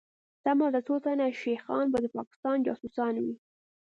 سمه ده څوتنه شيخان به دپاکستان جاسوسان وي